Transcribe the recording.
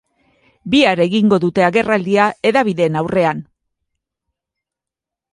Bihar egingo dute agerraldia hedabideen aurrean.